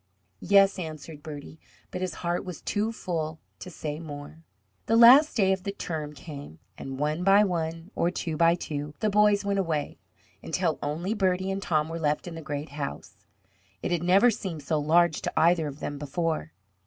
"Yes," answered Bertie; but his heart was too full to say more. The last day of the term came, and one by one, or two by two, the boys went away, until only Bertie and Tom were left in the great house. It had never seemed so large to either of them before.